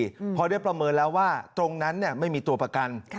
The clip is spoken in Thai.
เพราะได้ประเมินแล้วว่าตรงนั้นไม่มีตัวประกัน